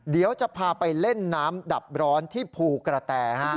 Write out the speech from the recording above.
เดี๋ยวจะพาไปเล่นน้ำดับร้อนที่ภูกระแต